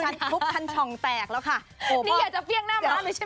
ยังต้องเสือร์นกันไปหมดเลย